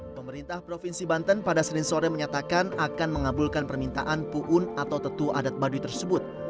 pemerintah provinsi banten pada senin sore menyatakan akan mengabulkan permintaan puun atau tetu adat baduy tersebut